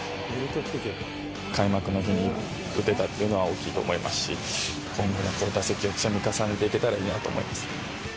開幕の日に打てたっていうのは大きいと思いますし、今後も打席を積み重ねていけたらいいなと思います。